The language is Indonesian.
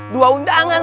dua undangan sekali ya